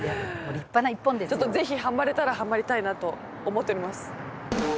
ちょっとぜひハマれたらハマりたいなと思っております。